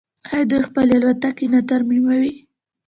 آیا دوی خپلې الوتکې نه ترمیموي؟